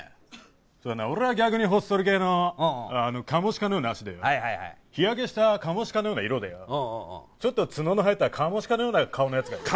俺は逆にほっそり系のカモシカのような脚でよ日焼けしたカモシカのような色でよちょっと角の生えたカモシカのような顔のやつがいい。